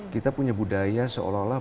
kita punya budaya seolah olah